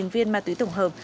hai viên ma túy tổng hợp